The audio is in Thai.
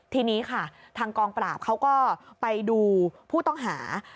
ทีนี้ค่ะทางกองปราบเขาก็ไปดูผู้ต้องหา